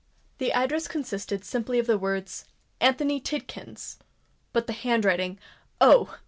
That address consisted simply of the words "ANTHONY TIDKINS!"—but the handwriting—Oh!